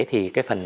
thì cái phần